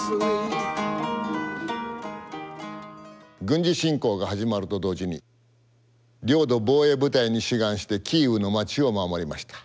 軍事侵攻が始まると同時に領土防衛部隊に志願してキーウの街を守りました。